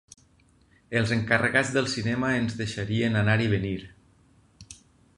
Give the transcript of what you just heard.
Els encarregats del cinema ens deixarien anar i venir